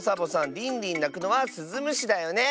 リンリンなくのはスズムシだよね。